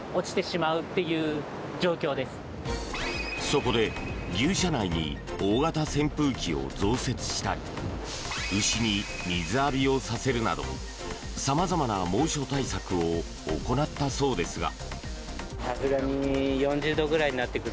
そこで、牛舎内に大型扇風機を増設したり牛に水浴びをさせるなどさまざまな猛暑対策を行ったそうですが。